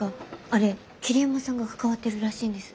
あれ桐山さんが関わってるらしいんです。